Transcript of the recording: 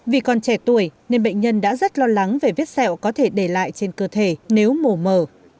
vì còn trẻ tuổi nên bệnh nhân đã rất lo lắng về vết sẹo có thể để lại trên cơ thể nếu mổ mở